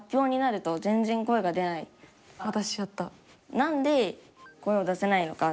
何で声を出せないのか。